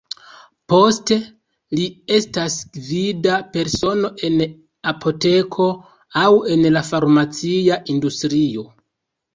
Poste li estas gvida persono en apoteko aŭ en la farmacia industrio.